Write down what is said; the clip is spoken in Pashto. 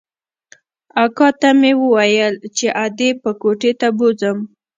اکا ته مې وويل چې ادې به کوټې ته بوځم.